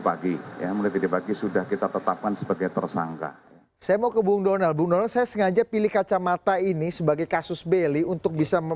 perlu kita tekankan soal itu